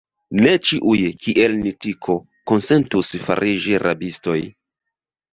Ne ĉiuj, kiel Nikito, konsentus fariĝi rabistoj!